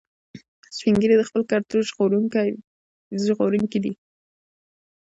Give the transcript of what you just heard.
سپین ږیری د خپل کلتور ژغورونکي دي